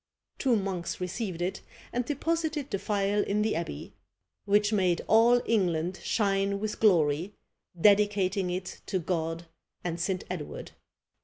Two monks received it, and deposited the phial in the abbey, "which made all England shine with glory, dedicating it to God and St. Edward."